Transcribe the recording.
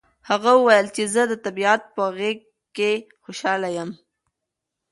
هغه وویل چې زه د طبیعت په غېږ کې خوشحاله یم.